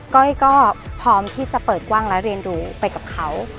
ก้อยก็พร้อมที่จะเปิดกว้างและเรียนรู้ไปกับเขา